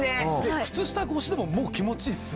靴下越しでも、もう気持ちいいっすね。